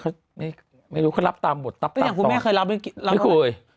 เขาไม่ไม่รู้เขารับตามบทตับตามตอนอย่างคุณแม่เคยรับไม่คุย